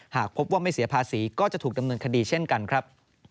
หากพบว่าไม่เสียภาษีก็จะถูกดำเนินคดีเช่นกันครับ